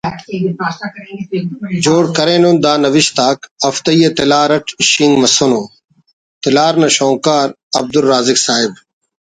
جوڑ کرینن دا نوشت آک ہفتئی تلار اٹ شینک مسونو تلار نا شونکار عبدالرازق صاحب